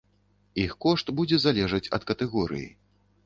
Іх кошт будзе залежаць ад катэгорыі.